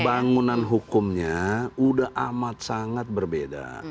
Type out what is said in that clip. bangunan hukumnya udah amat sangat berbeda